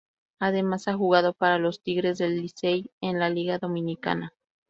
Además ha jugado para los Tigres del Licey en la Liga Dominicana.